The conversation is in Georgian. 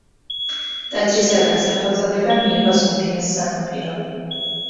ტაძრისაგან სახელწოდება მიიღო სოფიას სანაპირომ.